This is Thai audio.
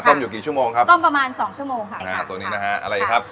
อยู่กี่ชั่วโมงครับต้มประมาณสองชั่วโมงค่ะอ่าตัวนี้นะฮะอะไรครับ